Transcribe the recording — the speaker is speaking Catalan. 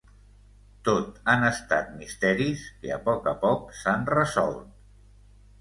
Tot han estat misteris que a poc a poc s'han resolt.